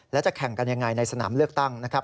และจะแข่งกันยังไงในสนามเลือกตั้งนะครับ